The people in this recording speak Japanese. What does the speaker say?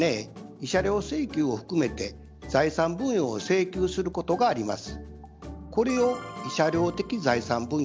慰謝料請求を含めて財産分与を請求することがあります。